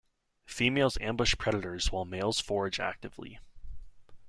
Females ambush predators while males forage actively.